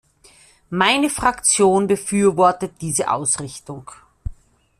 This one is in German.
Meine Fraktion befürwortet diese Ausrichtung.